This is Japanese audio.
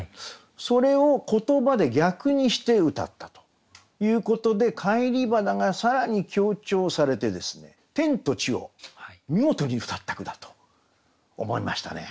それを言葉で逆にして詠ったということで「返り花」が更に強調されてですね天と地を見事に詠った句だと思いましたね。